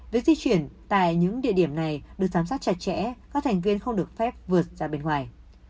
với di chuyển tại những địa điểm này được thám sát chặt chẽ các thành viên không được phép vượt ra bình quân